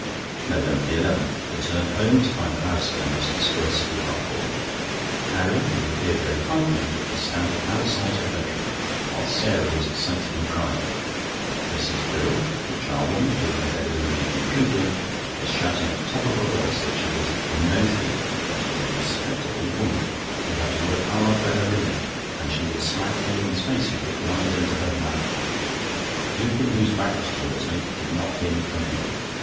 NOVEMBER 11.—Returned home to find the house in a most disgraceful uproar, Carrie, who appeared very frightened, was standing outside her bedroom, while Sarah was excited and crying. Mrs. Birrell (the charwoman), who had evidently been drinking, was shouting at the top of her voice that she was "no thief, that she was a respectable woman, who had to work hard for her living, and she would smack anyone's face who put lies into her mouth." Lupin, whose back was towards me, did not hear me come in.